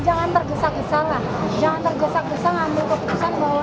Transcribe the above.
jangan tergesa gesa ngambil keputusan bahwa itu tersangka dulu